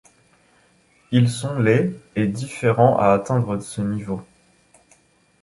Ils sont les et différents à atteindre ce niveau.